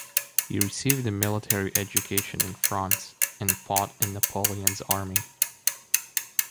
He received a military education in France and fought in Napoleon's army.